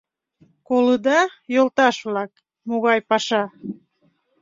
Колыда, йолташ-влак, могай паша?